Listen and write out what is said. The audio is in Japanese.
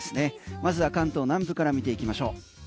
まず関東南部から見ていきましょう